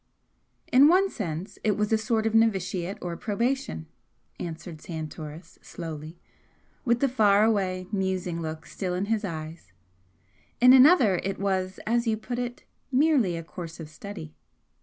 "In one sense it was a sort of novitiate or probation," answered Santoris, slowly, with the far away, musing look still in his eyes "In another it was, as you put it, 'merely' a course of study.